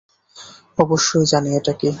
অবশ্যই জানি এটা কী।